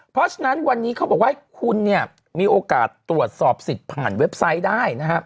เพราะฉะนั้นวันนี้เขาบอกว่าคุณเนี่ยมีโอกาสตรวจสอบสิทธิ์ผ่านเว็บไซต์ได้นะครับ